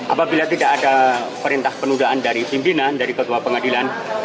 apabila tidak ada perintah penundaan dari pimpinan dari ketua pengadilan